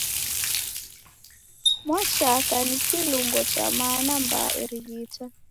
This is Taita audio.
Mwachaka ni kilungo cha mana m'baa erighita.